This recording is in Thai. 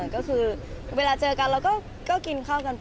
ก็คือเวลาเจอกันเราก็กินข้าวกันไป